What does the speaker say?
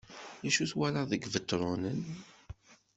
Acu twalaḍ deg Ibetṛunen?